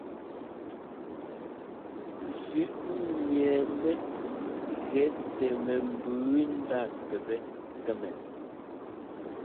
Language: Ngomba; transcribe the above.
Zʉꞌnẅɛɛnɛ́ gɛ tɛ mɛmbʉʉ ndá kɛpɛ́ kɛ́mɛ.